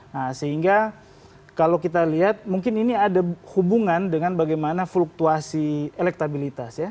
nah sehingga kalau kita lihat mungkin ini ada hubungan dengan bagaimana fluktuasi elektabilitas ya